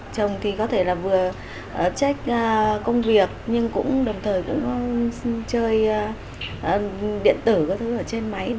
chồng thì có thể là vừa check công việc nhưng cũng đồng thời cũng chơi điện tử ở trên máy